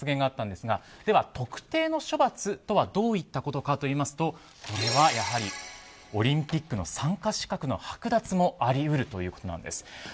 では特定の処罰とはどういったことかといいますとこれはやはりオリンピックの参加資格の剥奪もあり得るということなんです。